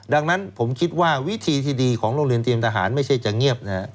ดังนั้นผมคิดว่าวิธีที่ดีของโรงเรียนเตรียมทหารไม่ใช่จะเงียบ